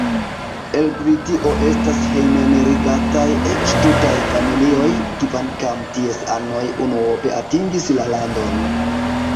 El Britio estas hejmenirigataj eĉ tutaj familioj, kvankam ties anoj unuope atingis la landon.